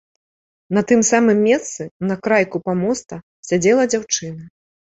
На тым самым месцы, на крайку памоста, сядзела дзяўчына.